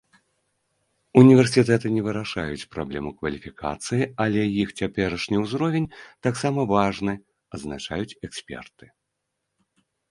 Універсітэты не вырашаюць праблему кваліфікацыі, але іх цяперашні ўзровень таксама важны, адзначаюць эксперты.